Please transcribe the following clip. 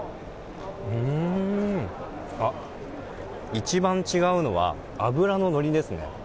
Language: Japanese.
一番違うのは脂ののりですね。